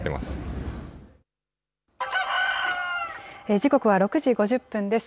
時刻は６時５０分です。